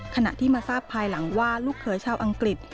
ขณะที่มาทราบภายหลังว่าลูกเขยชาวอังกฤษ